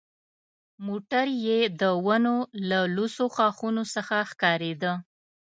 موټر یې د ونو له لوڅو ښاخونو څخه ښکارېده.